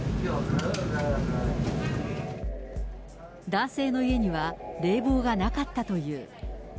男性の家には、冷房がなかったという。